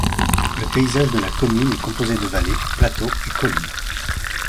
Le paysage de la commune est composé de vallées, plateau et collines.